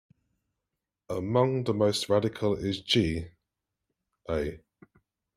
Among the most radical is G. A.